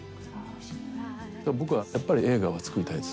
僕はやっぱり映画は作りたいですね。